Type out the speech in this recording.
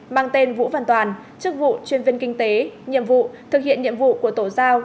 mang tên vũ văn toàn chức vụ chuyên viên kinh tế nhiệm vụ thực hiện nhiệm vụ của tổ giao